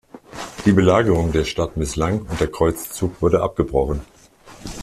Die Belagerung der Stadt misslang und der Kreuzzug wurde abgebrochen.